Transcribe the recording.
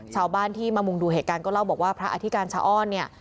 ชาวบ้านที่มามุงดูเหตุการณ์ก็เล่าบอกว่าพระอธิการชะอ้อนเนี่ย